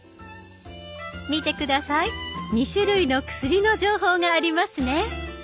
見て下さい２種類の薬の情報がありますね。